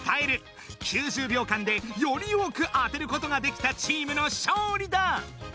９０秒間でより多く当てることができたチームの勝利だ！